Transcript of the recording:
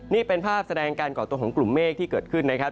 นี่เป็นภาพแสดงการก่อตัวของกลุ่มเมฆที่เกิดขึ้นนะครับ